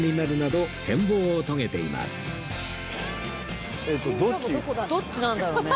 どっちなんだろうね。